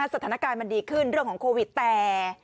สถานการณ์มันดีขึ้นเรื่องของโควิดแต่